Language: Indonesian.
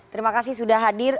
terima kasih sudah hadir